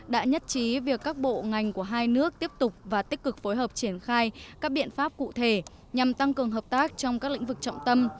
đã nhất trí việc các bộ ngành của hai nước tiếp tục và tích cực phối hợp triển khai các biện pháp cụ thể nhằm tăng cường hợp tác trong các lĩnh vực trọng tâm